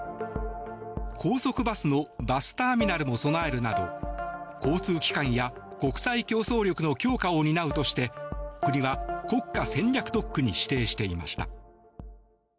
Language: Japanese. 高速バスのバスターミナルも備えるなど交通機関や国際競争力の強化を担うとして国は国家戦略特区に指定していました。